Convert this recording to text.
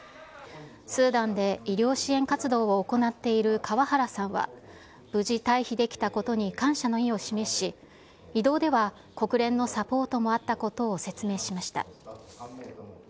スーダンで医療支援活動を行っている川原さんは、無事退避できたことに感謝の意を示し、移動では国連のサポートもあったことを説明しました。